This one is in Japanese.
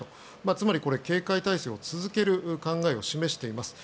つまり、警戒態勢を続ける考えを示しています。